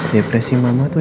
depresi mama tuh